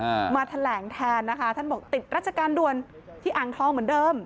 มาแถลงแทนนะคะท่านบอกติดราชการด่วนที่อ่างทองเหมือนเดิม